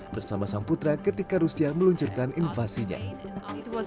bersama sang putra ketika rusia meluncurkan invasinya